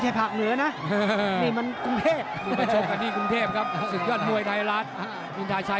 ทั้งไฟป่า